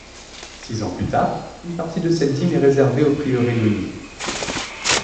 Six ans plus tard, une partie de cette dîme est réservée au prieuré d’Oignies.